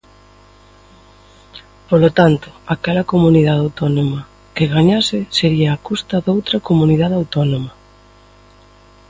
Polo tanto, aquela comunidade autónoma que gañase, sería a custa doutra comunidade autónoma.